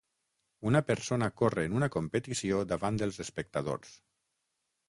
Una persona corre en una competició davant dels espectadors.